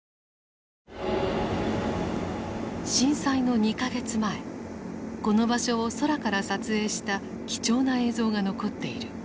震災の２か月前この場所を空から撮影した貴重な映像が残っている。